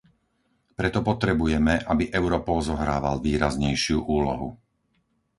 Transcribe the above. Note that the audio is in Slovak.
Preto potrebujeme, aby Europol zohrával výraznejšiu úlohu.